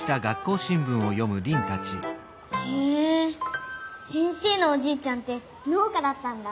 へえ先生のおじいちゃんってのう家だったんだ。